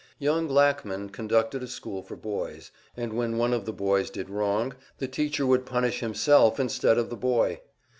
Young Lackman conducted a school for boys, and when one of the boys did wrong, the teacher would punish himself instead of the boy!